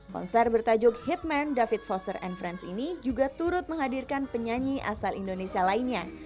konser bertajuk hitman david foster and friends ini juga turut menghadirkan penyanyi asal indonesia lainnya